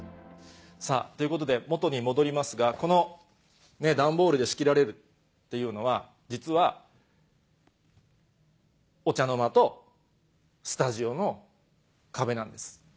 さぁということで元に戻りますがこの段ボールで仕切られるっていうのは実はお茶の間とスタジオの壁なんです。